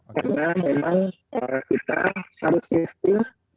karena memang kita harus kristi